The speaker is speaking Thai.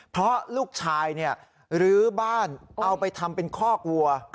เพราะลูกชายลื้อบ้านเอาไปทำเป็นคอกวัว